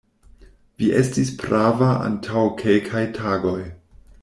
Vi estis prava antaŭ kelkaj tagoj.